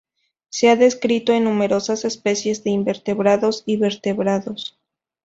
Se ha descrito en numerosas especies de invertebrados y vertebrados.